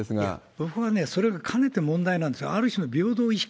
僕はそれがかねてから問題なんです、ある種の問題意識。